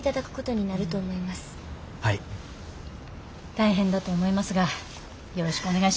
大変だと思いますがよろしくお願いします。